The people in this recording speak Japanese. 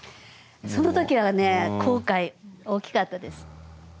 その時はね後悔大きかったです。